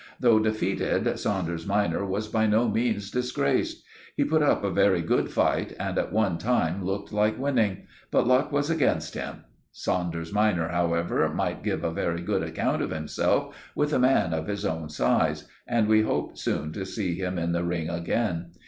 Though defeated, Saunders minor was by no means disgraced. He put up a very good fight, and at one time looked like winning; but luck was against him. Saunders minor, however, might give a very good account of himself with a man of his own size, and we hope soon to see him in the ring again.